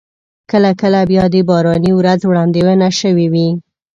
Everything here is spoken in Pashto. کله کله بیا د باراني ورځ وړاندوينه شوې وي.